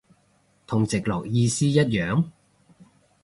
同直落意思一樣？